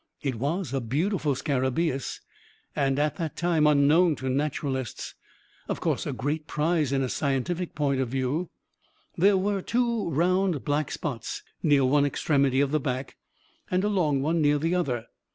It was a beautiful scarabaeus, and, at that time, unknown to naturalists of course a great prize in a scientific point of view. There were two round black spots near one extremity of the back, and a long one near the other.